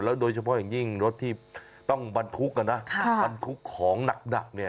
โดยเฉพาะอย่างยิ่งรถที่ต้องบรรทุกอ่ะนะบรรทุกของหนักเนี่ย